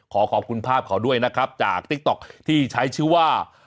ขอขอบคุณภาพเขาด้วยนะครับจากติ๊กต๊อกที่ใช้ชื่อว่า